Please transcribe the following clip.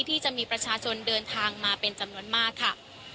ที่จะมีประชาชนเดินทางมาเป็นจำนวนมากค่ะ